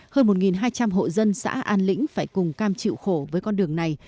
hơn một hai trăm linh hộ dân xã an lĩnh phải cùng cam chịu khổ với con đường này